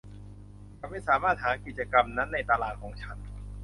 ฉันไม่สามารถหากิจกรรมนั้นในตารางของฉัน